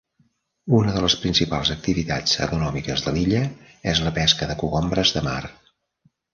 Una de les principals activitats econòmiques de l'illa és la pesca de cogombres de mar.